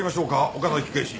岡崎警視。